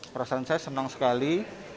perasaan saya senang sekali